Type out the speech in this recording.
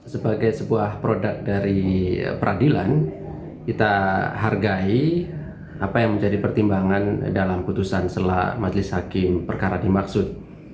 sebagai sebuah produk dari peradilan kita hargai apa yang menjadi pertimbangan dalam putusan selah majelis hakim perkara dimaksud